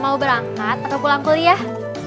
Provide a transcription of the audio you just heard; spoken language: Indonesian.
mau berangkat atau pulang kuliah